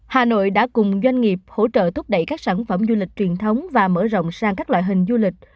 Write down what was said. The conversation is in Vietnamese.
hà nội đã cùng doanh nghiệp hỗ trợ thúc đẩy các sản phẩm du lịch truyền thống và mở rộng sang các loại hình du lịch